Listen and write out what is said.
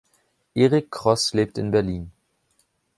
Erik Kross lebt in Berlin.